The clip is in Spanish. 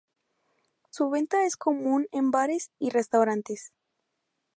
Su venta es común en bares y restaurantes.